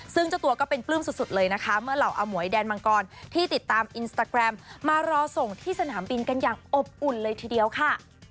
ซึ่งเจ้าตัวก็เป็นปลื้มสุดเลยนะคะเมื่อเหล่าอมวยแดนมังกรที่ติดตามอินสตาแกรมมารอส่งที่สนามบินกันอย่างอบอุ่นเลยทีเดียวค่ะ